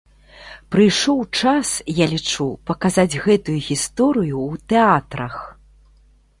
Прыйшоў час, я лічу, паказаць гэтую гісторыю ў тэатрах!